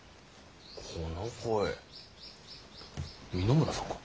この声三野村さんか？